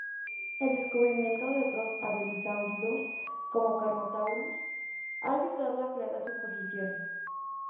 El descubrimiento de otros abelisáuridos como "Carnotaurus" ha ayudado a aclarar su posición.